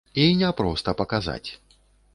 І не проста паказаць.